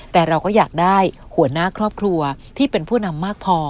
แต่เราก็อยากได้หัวหน้าครอบครัวที่เป็นผู้นำมากพอ